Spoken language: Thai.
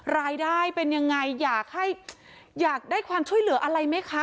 รายได้เป็นยังไงอยากให้อยากได้ความช่วยเหลืออะไรไหมคะ